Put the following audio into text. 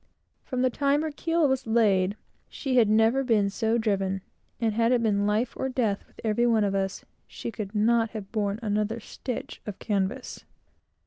From the time her keel was laid, she had never been so driven; and had it been life or death with every one of us, she could not have borne another stitch of canvas.